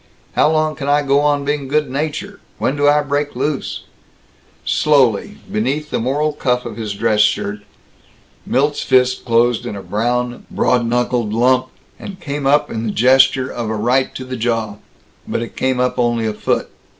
How long can I go on being good natured? When I do break loose " Slowly, beneath the moral cuff of his dress shirt, Milt's fist closed in a brown, broad knuckled lump, and came up in the gesture of a right to the jaw. But it came up only a foot.